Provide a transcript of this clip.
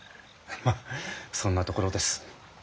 まあそんなところです。